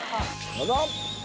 どうぞ！